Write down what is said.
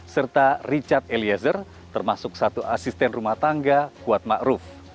serta richard eliezer termasuk satu asisten rumah tangga kuatma ruf